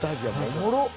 おもろっ！